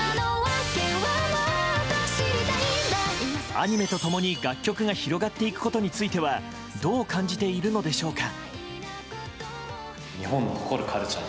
アニメと共に、楽曲が広がっていくことについてはどう感じているのでしょうか。